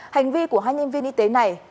hành vi của hai nhân viên y tế này